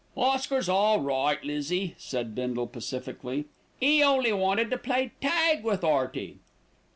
"Oscar's all right, Lizzie," said Bindle pacifically. "'E only wanted to play tag with 'Earty."